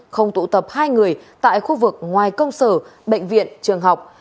không tụ tập hai người tại khu vực ngoài công sở bệnh viện trường học